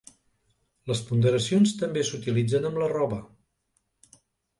Les ponderacions també s'utilitzen amb la roba.